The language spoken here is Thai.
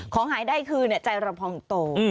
ของหายได้คือใจรับพลังโต